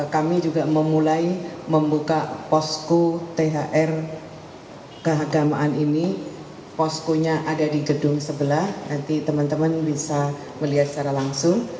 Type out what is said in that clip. kami juga memulai membuka posko thr keagamaan ini poskonya ada di gedung sebelah nanti teman teman bisa melihat secara langsung